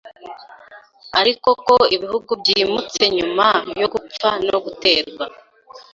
ariko ko ibihugu byimutse nyuma yo gupfa no guterwa